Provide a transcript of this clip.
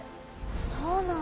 そうなんだ。